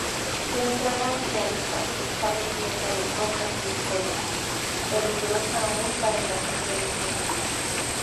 Su entrada oceánica está repleta de rocas y escollos, peligrosa aun para embarcaciones menores.